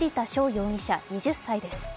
容疑者２０歳です。